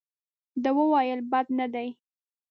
ده وویل بد نه دي.